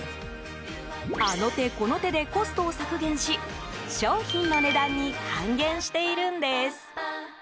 あの手この手でコストを削減し商品の値段に還元しているんです。